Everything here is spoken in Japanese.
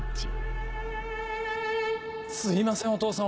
・すいませんお義父さん